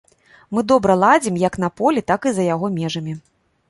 Мы добра ладзім як на полі, так і за яго межамі.